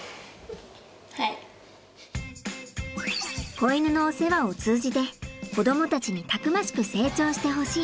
子犬のお世話を通じて子供たちにたくましく成長してほしい。